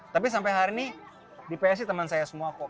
tapi sampai hari ini di psi teman saya semua kok